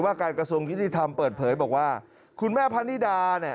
การกระทรวงยุติธรรมเปิดเผยบอกว่าคุณแม่พะนิดาเนี่ย